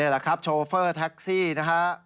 นี่ล่ะครับโชเฟอร์แท็กซี่นะครับ